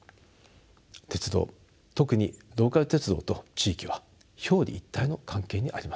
鉄道特にローカル鉄道と地域は表裏一体の関係にあります。